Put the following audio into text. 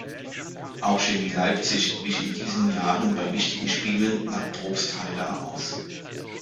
Auch Chemie Leipzig wich in diesen Jahren bei wichtigen Spielen nach Probstheida aus.